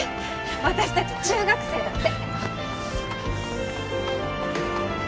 私たち中学生だって！